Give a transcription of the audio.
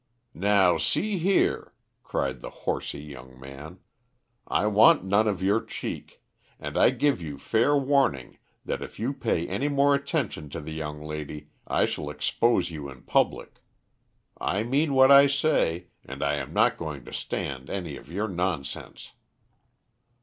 "Now, see here," cried the horsey young man, "I want none of your cheek, and I give you fair warning that, if you pay any more attention to the young lady, I shall expose you in public. I mean what I say, and I am not going to stand any of your nonsense."